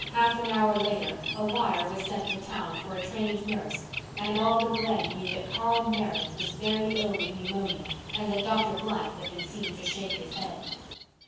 Half an hour later a wire was sent to town for a trained nurse, and all the Glen knew that Carl Meredith was very ill with pneumonia and that Dr. Blythe had been seen to shake his head.